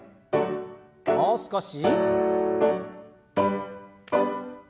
もう少し。